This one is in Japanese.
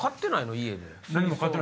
家で。